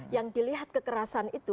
yang dilihat kekerasan itu